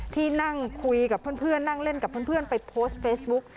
ที่นั่งคุยกับเพื่อนนั่งเล่นกับเพื่อนไปโพสต์เฟซบุ๊ก